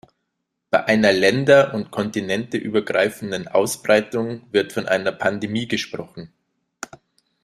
Bei einer Länder und Kontinente übergreifenden Ausbreitung wird von einer Pandemie gesprochen.